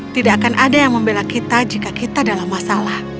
tidak akan ada yang membela kita jika kita dalam masalah